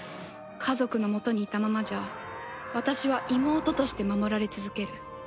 家族のもとにいたままじゃ私は妹として守られ続ける